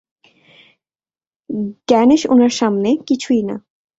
গ্যানেশ উনার সামনে, কিছুই না।